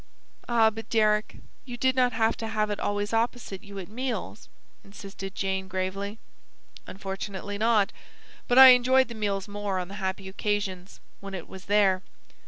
"Ah, but, Deryck, you did not have to have it always opposite you at meals," insisted Jane gravely. "Unfortunately not. But I enjoyed the meals more on the happy occasions when it was there."